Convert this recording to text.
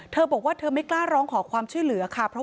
เธอบอกว่าเธอไม่กล้าร้องขอความช่วยเหลือค่ะ